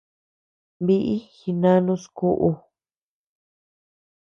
Bíʼi jinanus kuʼu.